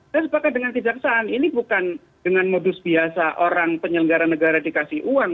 dan sepakat dengan tidak kesalahan ini bukan dengan modus biasa orang penyelenggara negara dikasih uang